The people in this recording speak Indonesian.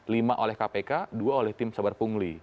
lima oleh kpk dua oleh tim sabar pungli